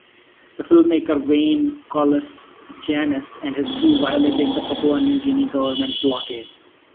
The filmmaker Wayne Coles-Janess and his crew violated the Papua New Guinea government blockade.